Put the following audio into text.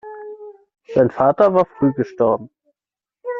Sein Vater war früh gestorben.